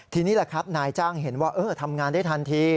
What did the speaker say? ทีนี้แหละครับนายจ้างเห็นว่าทำงานได้ทันที